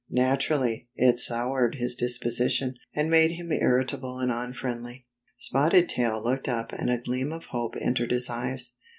Naturally, it soured his disposition, and made him irritable and imfriendly. Spotted Tail looked up and a gleam of hope entered his eyes.